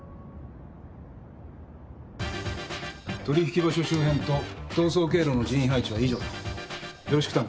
取引場所周辺と逃走経路の人員配置は以上だ。